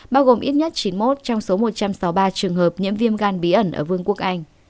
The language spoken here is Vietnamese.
bao gồm ít nhất chín mươi một trong số một trăm sáu mươi ba trường hợp nhiễm viêm gan bí ẩn ở vương quốc anh